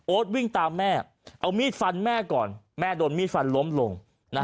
วิ่งตามแม่เอามีดฟันแม่ก่อนแม่โดนมีดฟันล้มลง